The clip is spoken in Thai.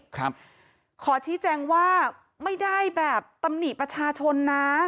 ขอชี้แจงว่าไม่ได้แบบตำหนิประชาชนนะ